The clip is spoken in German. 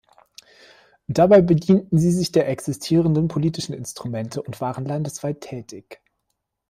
Dabei bedienten sie sich der existierenden politischen Instrumente und waren landesweit tätig.